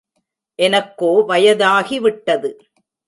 எனக்கோ வயதாகி விட்டது.